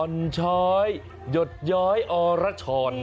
อ่อนช้อยหยดย้อยอ่อระชอน